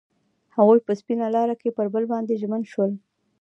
هغوی په سپین لاره کې پر بل باندې ژمن شول.